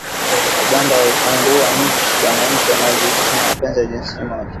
Uganda yaifungia wananchi wanaojihusisha na mapenzi ya jinsia moja